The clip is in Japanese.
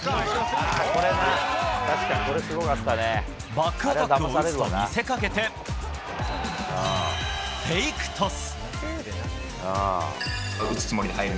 バックアタックを打つと見せかけてフェイクトス。